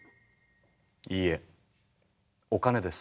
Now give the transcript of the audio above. いいえお金です。